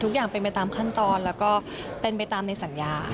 ทุกอย่างเป็นไปตามขั้นตอนแล้วก็เป็นไปตามในสัญญา